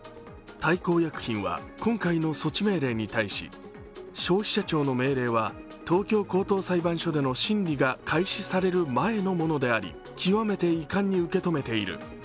大幸薬品は今回の措置命令に対し消費者庁の命令は東京高等裁判所での審理が開始される前のものであり極めて遺憾に受け止めている。